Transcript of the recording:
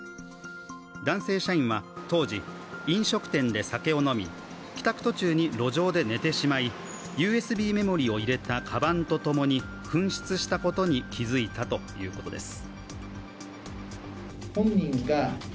男性社員は当時、飲食店で酒を飲み帰宅途中に路上で寝てしまい、ＵＳＢメモリーを入れたかばんとともに紛失したことに気づいたということです。